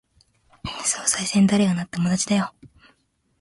総裁選、誰がなっても同じだよ。